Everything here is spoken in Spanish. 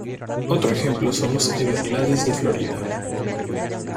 Otro ejemplo son los Everglades de Florida.